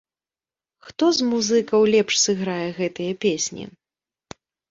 Хто з музыкаў лепш сыграе гэтыя песні?